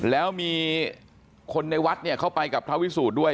แล้วมีคนในวัดเข้าไปกับพระวิสูจน์ด้วย